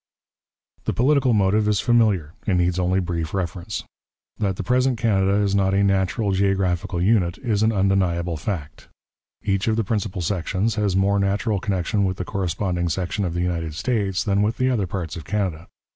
The political motive is familiar and needs only brief reference. That the present Canada is not a natural geographical unit is an undeniable fact. Each of the principal sections has more natural connection with the corresponding section of the United States than with the other parts of Canada.